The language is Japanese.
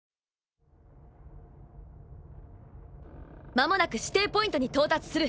間もなく指定ポイントに到達する。